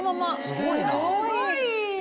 すごい！